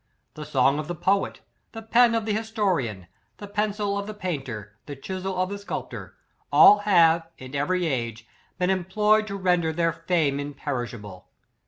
The song of the poet, the pen of the historian, the pencil of the painter, the chissel of the sculptor, all have, in every age, been employed, to render their fame imperish able.